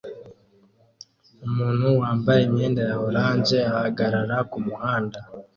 Umuntu wambaye imyenda ya orange ahagarara kumuhanda